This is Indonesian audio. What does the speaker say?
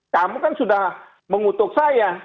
kamu kan sudah mengutuk saya